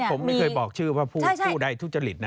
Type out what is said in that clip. ผมไม่เคยบอกชื่อว่าผู้ใดทุจริตนะ